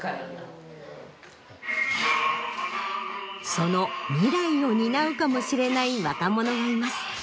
その未来を担うかもしれない若者がいます。